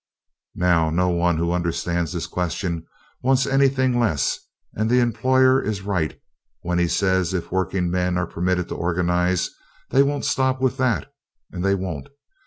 Now, no one who understands this question wants anything less and the employer is right when he says if workingmen are permitted to organize they won't stop with that; and they won't.